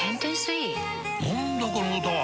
何だこの歌は！